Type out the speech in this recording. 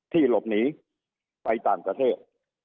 หลบหนีไปต่างประเทศ